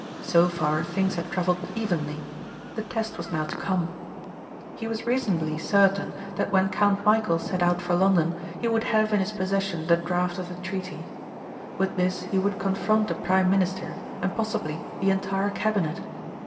So far things had travelled evenly. The test was now to come. He was reasonably certain that when Count Michæl set out for London he would have in his possession the draft of the treaty. With this he would confront a prime minister and possibly the entire cabinet.